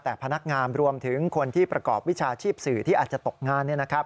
แต่พนักงานรวมถึงคนที่ประกอบวิชาชีพสื่อที่อาจจะตกงาน